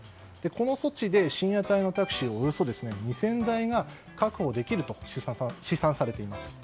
この措置で深夜帯のタクシーおよそ２０００台が確保できると試算されています。